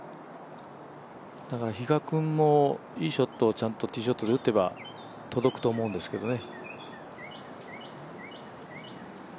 だから、比嘉君もいいショットをちゃんとティーショットで打てば届くと思うんですけどね。